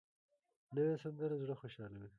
نوې سندره زړه خوشحالوي